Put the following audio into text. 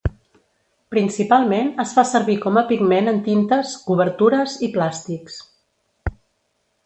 Principalment es fa servir com a pigment en tintes, cobertures i plàstics.